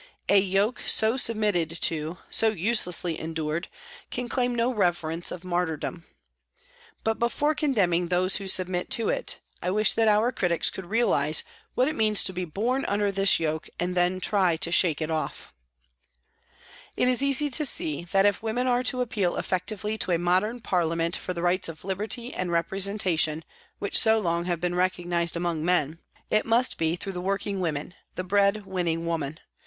A yoke so submitted to, so uselessly endured, can claim no reverence of martyrdom. But before con demning those who submit to it, I wish that our critics could realise what it means to be born under this yoke and then try to shake it off. It is easy to see that if women are to appeal effectively to a modern parliament for the rights of liberty and representation which so long have been recognised among men, it must be through the working women, the bread winning woman.